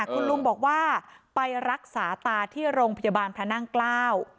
คุณลุงบอกว่าไปรักษาตาที่โรงพยาบาลพระนั่งเกล้า